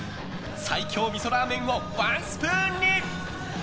最強みそラーメンをワンスプーンに。